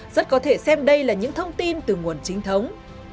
rất có thể xem đây là những thông tin từ nguồn chính thống